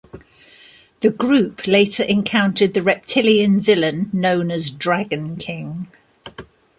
The group later encountered the reptilian villain known as Dragon King.